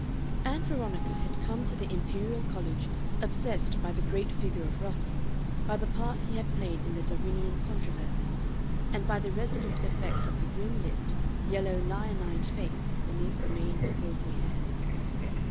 Ann Veronica had come to the Imperial College obsessed by the great figure of Russell, by the part he had played in the Darwinian controversies, and by the resolute effect of the grim lipped, yellow, leonine face beneath the mane of silvery hair.